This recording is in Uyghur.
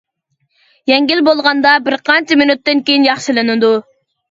يەڭگىل بولغاندا بىرقانچە مىنۇتتىن كېيىن ياخشىلىنىدۇ.